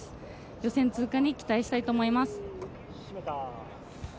予選通過に期待したいと思います。